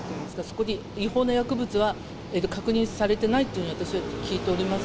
そこに違法な薬物は確認されてないというように、私は聞いております。